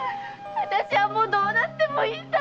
私はもうどうなってもいいんだ！